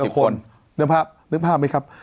๒๕๐คนนึกภาพไหมครับ